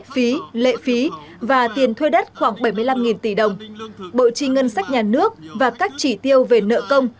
phí lệ phí và tiền thuê đất khoảng bảy mươi năm tỷ đồng bộ trì ngân sách nhà nước và các chỉ tiêu về nợ công